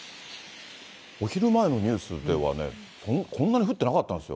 お昼前のニュースではね、こんなに降ってなかったんですよ。